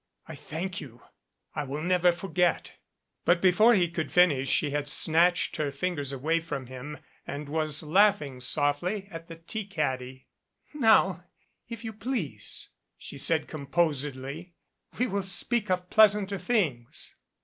I thank you I will never forget " But before he could finish she had snatched her fingers away from him and was laughing softly at the tea caddy. "Now, if you please," she said composedly, "we will speak of pleasanter things."